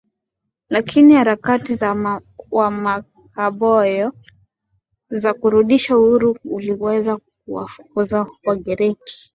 Lakini harakati za Wamakabayo za kurudisha uhuru uliweza kuwafukuza Wagiriki